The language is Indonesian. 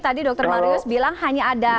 tadi dokter marius bilang hanya ada